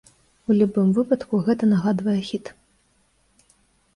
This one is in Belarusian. У любым выпадку гэта нагадвае хіт!